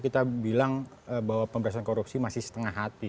kita bilang bahwa pemberantasan korupsi masih setengah hati